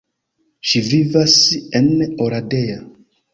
Ŝi vivas en Oradea.